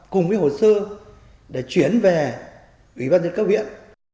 cùng với hồ sơ để chuyển về ủy ban dân cấp huyện